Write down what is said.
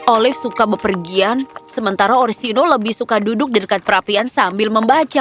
olive suka berpergian sementara orsino lebih suka duduk di dekat perapian sambil membaca